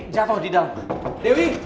jatoh di dalam